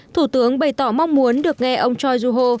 thủ tướng bày tỏ mong muốn được nghe ông choi joo ho